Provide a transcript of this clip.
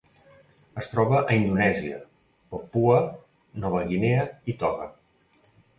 Es troba a Indonèsia, Papua Nova Guinea i Tonga.